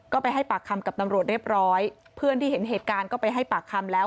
ก็ไปให้ปากคำกับตำรวจเรียบร้อยเพื่อนที่เห็นเหตุการณ์ก็ไปให้ปากคำแล้ว